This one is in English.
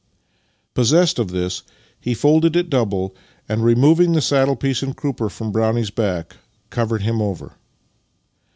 Possessed of this, he folded it double, and, removing the saddle piece and crupper from Brownie's back, covered him over.